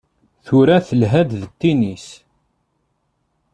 Tura telha-d d tinis.